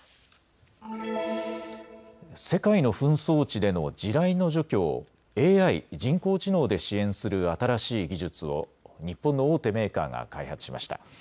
世界の紛争地での地雷の除去をＡＩ・人工知能で支援する新しい技術を日本の大手メーカーが開発しました。